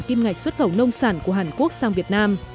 kim ngạch xuất khẩu nông sản của hàn quốc sang việt nam